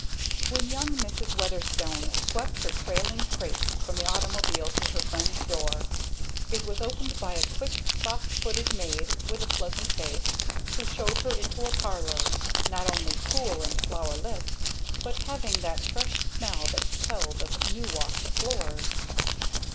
When young Mrs. Weatherstone swept her trailing crepe from the automobile to her friend's door, it was opened by a quick, soft footed maid with a pleasant face, who showed her into a parlor, not only cool and flower lit, but having that fresh smell that tells of new washed floors.